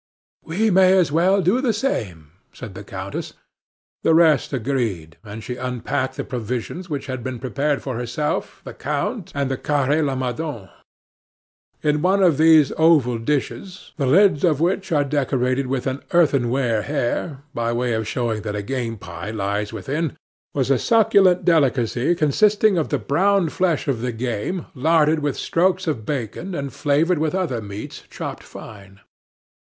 "We may as well do the same," said the countess. The rest agreed, and she unpacked the provisions which had been prepared for herself, the count, and the Carre Lamadons. In one of those oval dishes, the lids of which are decorated with an earthenware hare, by way of showing that a game pie lies within, was a succulent delicacy consisting of the brown flesh of the game larded with streaks of bacon and flavored with other meats chopped fine.